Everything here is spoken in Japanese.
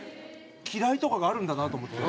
嫌いとかがあるんだなと思って。